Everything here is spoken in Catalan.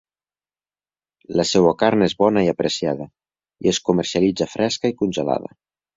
La seua carn és bona i apreciada, i es comercialitza fresca i congelada.